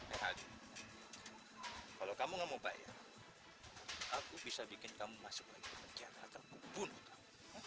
eh aldi kalau kamu gak mau bayar aku bisa bikin kamu masuk lagi penjara atau aku bunuh kamu